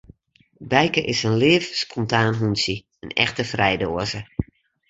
Bijke is in leaf, spontaan hûntsje, in echte frijdoaze.